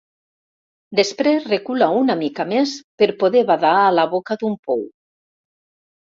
Després recula una mica més per poder badar a la boca d'un pou.